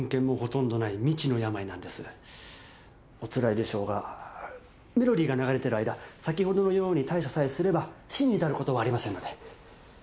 おつらいでしょうがメロディーが流れてる間先ほどのように対処さえすれば死に至ることはありませんので。